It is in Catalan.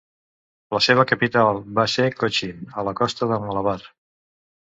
La seva capital va ser Cochin, a la costa de Malabar.